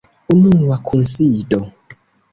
Unua Kunsido.